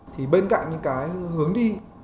thì bên cạnh những cái hướng đi